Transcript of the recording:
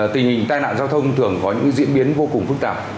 tình hình tai nạn giao thông thường có những diễn biến vô cùng phức tạp